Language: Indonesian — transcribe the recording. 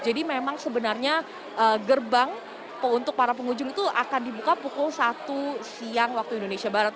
jadi memang sebenarnya gerbang untuk para pengunjung itu akan dibuka pukul satu siang waktu indonesia barat